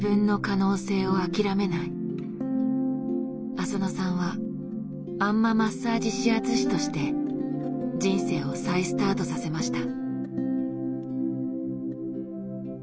浅野さんはあんまマッサージ指圧師として人生を再スタートさせました。